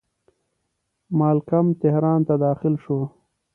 مالکم تهران ته داخل شو.